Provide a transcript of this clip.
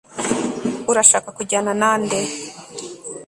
urashaka kujyana nande